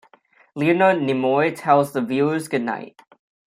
Leonard Nimoy tells the viewers goodnight.